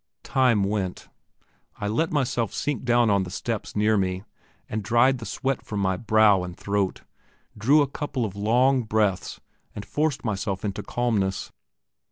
Time went. I let myself sink down on the steps near me, and dried the sweat from my brow and throat, drew a couple of long breaths, and forced myself into calmness.